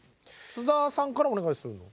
菅田さんからお願いするの？